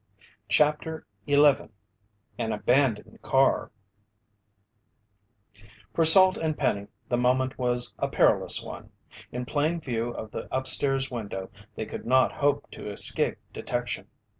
CHAPTER 11 AN ABANDONED CAR For Salt and Penny, the moment was a perilous one. In plain view of the upstairs window, they could not hope to escape detection.